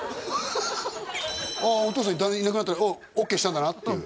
ああお父さんいなくなったらオッケーしたんだなっていう？